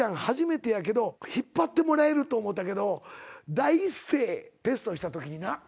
初めてやけど引っ張ってもらえると思ったけど第一声テストしたときにな